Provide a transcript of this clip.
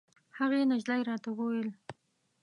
هغې نجلۍ راته ویل.